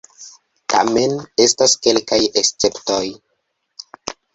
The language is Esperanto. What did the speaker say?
Tamen, estas kelkaj esceptoj.